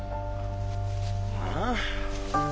ああ？